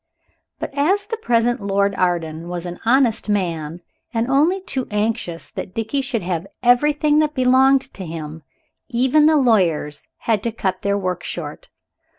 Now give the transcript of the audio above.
But as the present Lord Arden was an honest man and only too anxious that Dickie should have everything that belonged to him, even the lawyers had to cut their work short.